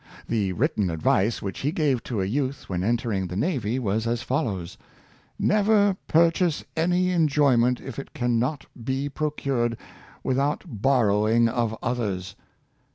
The written advice which he gave to a youth when entering the navy was as follows: ^' Never purchase any enjoyment if it can not be procured without borrowing of others.